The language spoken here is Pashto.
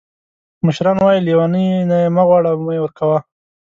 مشران وایي لیوني نه یې مه غواړه او مه یې ورکوه.